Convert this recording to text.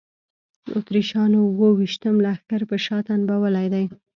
اتریشیانو اوه ویشتم لښکر په شا تنبولی دی.